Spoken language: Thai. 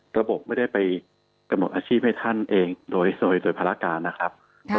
ระบบไม่ได้ไปกระหนดอาชีพให้ท่านเองโดยสนุทธิ์โดยภารการนะครับ